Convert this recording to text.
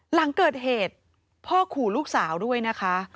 หลังเกิดเหตุพ่อขู่ลูกสาวด้วยนะคะ